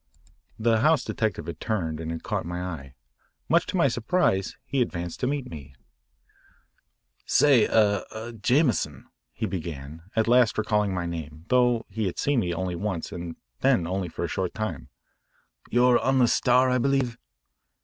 The house detective had turned and had caught my eye. Much to my surprise, he advanced to meet me. "Say, er er Jameson," he began, at last recalling my name, though he had seen me only once and then for only a short time. "You're on the Star, I believe?"